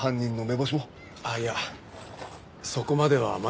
いやそこまではまだ。